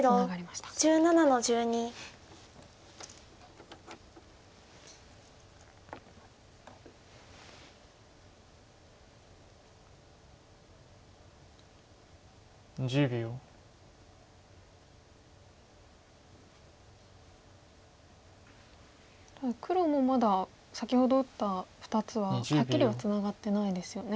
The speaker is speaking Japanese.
ただ黒もまだ先ほど打った２つははっきりはツナがってないですよね。